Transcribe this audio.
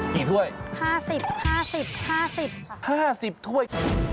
กี่ถ้วย๕๐ค่ะถ้วย